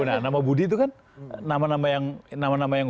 nah nama budi itu kan nama nama yang